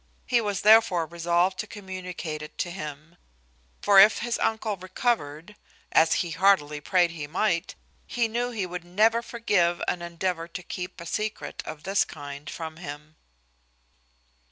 He was therefore resolved to communicate it to him: for if his uncle recovered (as he heartily prayed he might) he knew he would never forgive an endeavour to keep a secret of this kind from him.